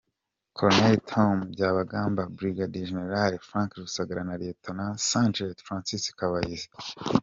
Col. Tom Byabagamba, Brig Gen. Frank Rusagara na Rtd Sgt Francois Kabayiza